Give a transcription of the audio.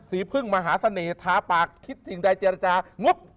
พึ่งมหาเสน่หาปากคิดสิ่งใดเจรจางบ